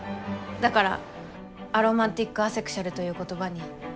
だからアロマンティックアセクシュアルという言葉に。